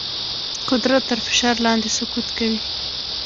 قدرت تر فشار لاندې سقوط کوي.